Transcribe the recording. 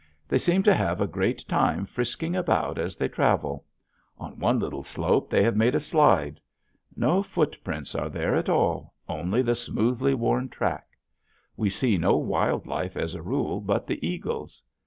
They seem to have a great time frisking about as they travel. On one little slope they have made a slide. No footprints are there at all, only the smoothly worn track. We see no wild life as a rule but the eagles.